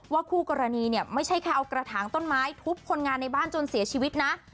คู่กรณีเนี่ยไม่ใช่แค่เอากระถางต้นไม้ทุบคนงานในบ้านจนเสียชีวิตนะ